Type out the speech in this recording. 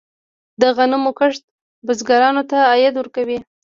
د غنمو کښت بزګرانو ته عاید ورکوي.